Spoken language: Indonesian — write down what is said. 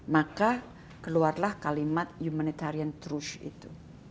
maka keluarlah kalimat humanitarian truce itu